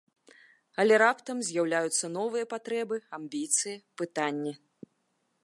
Але раптам з'яўляюцца новыя патрэбы, амбіцыі, пытанні.